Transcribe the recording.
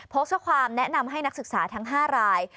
ก็มีความแนะนำให้นักศึกษาทั้ง๕ราย